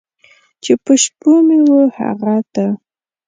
چې په شپو مې و هغه ته!